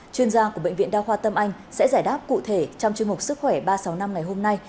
chuyên gia của bệnh viện đa khoa tâm anh sẽ giải đáp cụ thể trong chương mục sức khỏe ba trăm sáu mươi năm ngày hôm nay